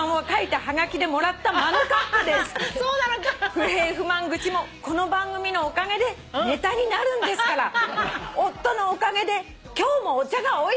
「不平不満愚痴もこの番組のおかげでネタになるんですから夫のおかげで今日もお茶がおいしいです」